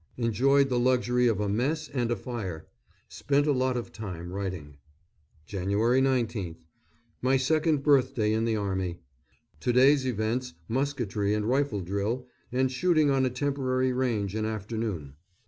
Enjoyed the luxury of a "mess" and a fire. Spent a lot of time writing. Jan. 19th. My second birthday in the Army.... To day's events, musketry and rifle drill, and shooting on a temporary range in afternoon.